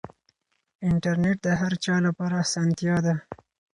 انټرنیټ د هر چا لپاره اسانتیا ده.